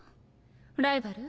ライバル？